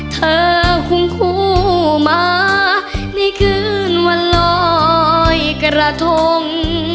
เธอหุ่งคู่มาในคืนวันรอยกระทง